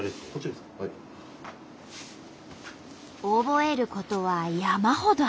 覚えることは山ほどある。